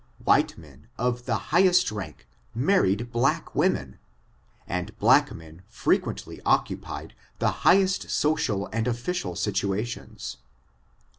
White men, of the highest rank, married black women, and black men frequently occupied the highest social and official situations."